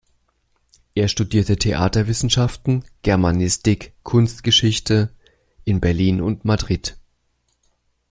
Er studierte Theaterwissenschaften, Germanistik, Kunstgeschichte in Berlin und Madrid.